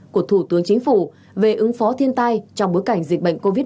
của thủ tướng chính phủ về ứng phó thiên tai trong bối cảnh dịch bệnh covid một mươi chín